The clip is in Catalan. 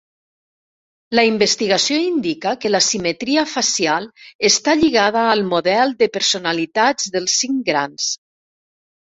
La investigació indica que la simetria facial està lligada al model de personalitat dels "cinc grans".